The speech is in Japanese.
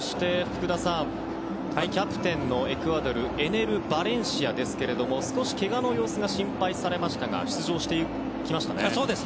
エクアドルのキャプテンエネル・バレンシアですけれども少し、けがの様子が心配されましたが出場してきましたね。